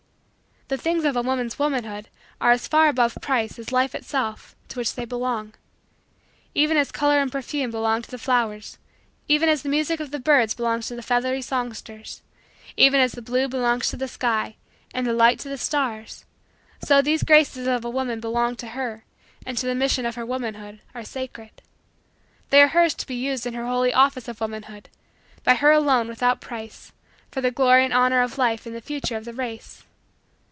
The things of a woman's womanhood are as far above price as life itself to which they belong. Even as color and perfume belong to the flowers; even as the music of the birds belongs to the feathery songsters; even as the blue belongs to the sky, and the light to the stars; so these graces of a woman belong to her and to the mission of her womanhood are sacred. They are hers to be used in her holy office of womanhood; by her alone, without price, for the glory and honor of life and the future of the race.